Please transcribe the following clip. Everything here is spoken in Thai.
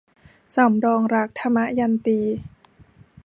สำรองรัก - ทมยันตี